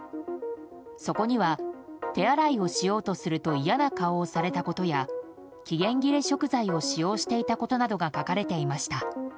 そこには手洗いをしようとすると嫌な顔をされたことや期限切れ食材を使用していたことなどが書かれていました。